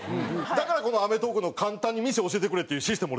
だからこの『アメトーーク』の簡単に店教えてくれっていうシステム